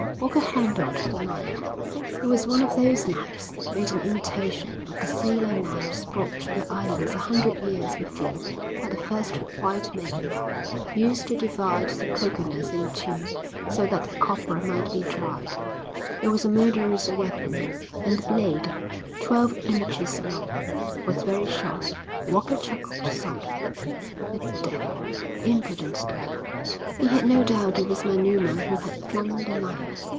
Walker handled the knife. It was one of those knives, made in imitation of the sailor knives brought to the islands a hundred years before by the first white men, used to divide the coconuts in two so that the copra might be dried. It was a murderous weapon, and the blade, twelve inches long, was very sharp. Walker chuckled softly. "The devil, the impudent devil." He had no doubt it was Manuma who had flung the knife.